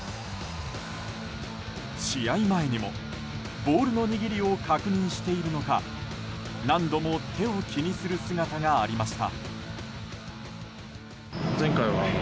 試合前にもボールの握りを確認しているのか何度も手を気にする姿がありました。